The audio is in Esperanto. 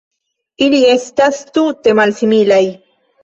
Ili estas tute malsimilaj.